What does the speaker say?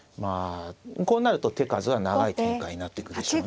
こうなると手数は長い展開になってくるでしょうね。